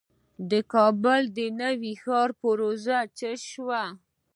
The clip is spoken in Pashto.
د کابل نوی ښار پروژه څه شوه؟